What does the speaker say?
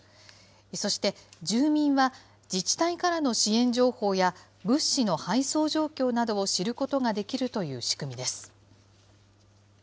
そして、住民は、自治体からの支援情報や物資の配送状況などを知ることができるという仕組みです。